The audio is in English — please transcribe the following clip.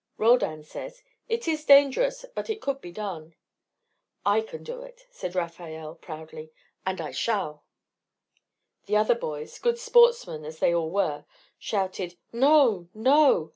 Roldan said: "It is dangerous, but it could be done." "I can do it," said Rafael, proudly, "and I shall." The other boys, good sportsmen as they all were, shouted, "No! no!"